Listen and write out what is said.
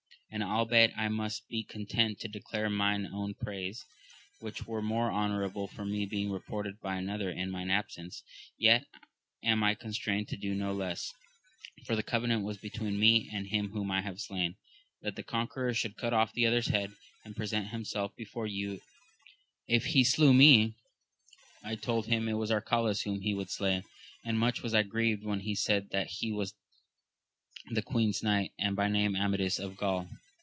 And albeit I must be content to declare mine own praise, which were more honourable for me being reported by another in mine absence, yet am I constrained to do no less, for the covenant was between me and him whom I have slain, that the conqueror should cut off the other's head, and present himself before you as this day. li\vft ^<^>n \Sifc^^V5^ 128 AMADIS OF GAUL bim it was Arcalaus whom he would slay ; and mttch was I grieved when he said that he was the queen's knight, and hy name Amadis of Graul.